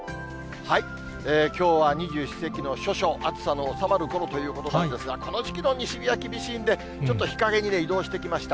きょうは二十四節気の処暑、暑さの収まるころということなんですが、この時期の西日は厳しいんで、ちょっと日陰に移動してきました。